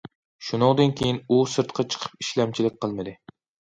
شۇنىڭدىن كېيىن، ئۇ سىرتقا چىقىپ ئىشلەمچىلىك قىلمىدى.